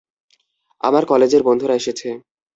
আমার কলেজের বন্ধুরা এসেছে।